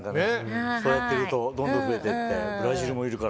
そうやっているとどんどん増えて。